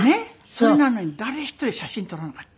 それなのに誰一人写真撮らなかった。